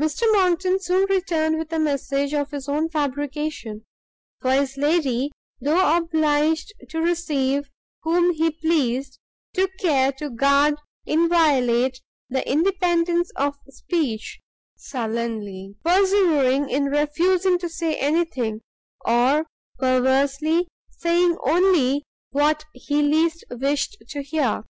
Mr Monckton soon returned with a message of his own fabrication; for his lady, though obliged to receive whom he pleased, took care to guard inviolate the independence of speech, sullenly persevering in refusing to say anything, or perversely saying only what he least wished to hear.